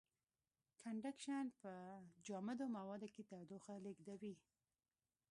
کنډکشن په جامدو موادو کې تودوخه لېږدوي.